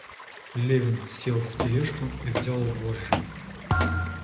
Левин сел в тележку и взял вожжи.